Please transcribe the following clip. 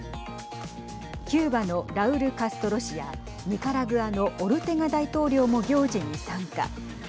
キューバのラウル・カストロ氏やニカラグアのオルテガ大統領も行事に参加。